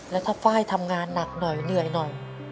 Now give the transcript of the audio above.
แล้วถ้าไฟล์ทำงานหนักหน่อยเหนื่อยหน่อย